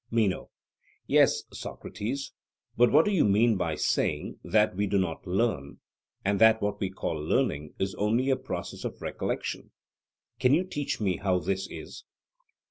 MENO: Yes, Socrates; but what do you mean by saying that we do not learn, and that what we call learning is only a process of recollection? Can you teach me how this is?